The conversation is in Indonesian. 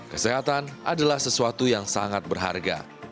kesehatan adalah sesuatu yang sangat berharga